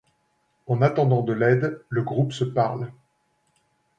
En attendant de l'aide, le groupe se parle.